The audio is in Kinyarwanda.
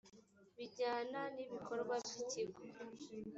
bijyana n ibikorwa by ikigo